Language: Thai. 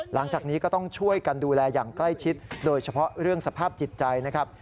หลังจากนี้ก็ต้องช่วยกันดูแลอย่างใกล้ชิดโดยเฉพาะเรื่องสภาพจิตใจนะครับ